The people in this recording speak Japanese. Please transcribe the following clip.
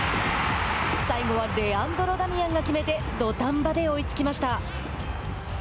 最後はレアンドロ・ダミアンが決めて土壇場で追いつきました。